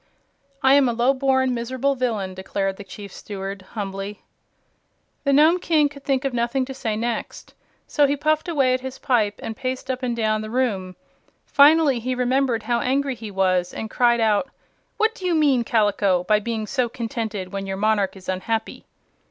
"I am a lowborn, miserable villain," declared the Chief Steward, humbly. The Nome King could think of nothing to say next, so he puffed away at his pipe and paced up and down the room. Finally, he remembered how angry he was, and cried out: "What do you mean, Kaliko, by being so contented when your monarch is unhappy?"